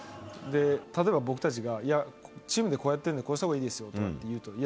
例えば僕たちが、いや、チームでこうやってるので、こうしたほうがいいですとかっていうと、いや、